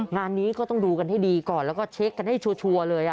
งานนี้ก็ต้องดูกันให้ดีก่อนแล้วก็เช็คกันให้ชัวร์เลย